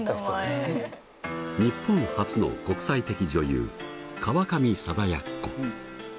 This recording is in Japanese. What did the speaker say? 日本初の国際的女優川上貞奴。